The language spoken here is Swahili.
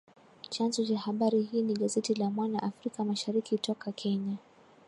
Chanzo cha habari hii ni gazeti la Mwana Africa Mashariki, toka Kenya